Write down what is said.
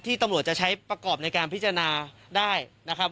ตำรวจจะใช้ประกอบในการพิจารณาได้นะครับ